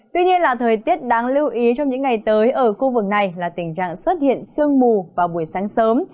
tuy nhiên là thời tiết đáng lưu ý trong những ngày tới ở khu vực này là tình trạng xuất hiện sương mù vào buổi sáng sớm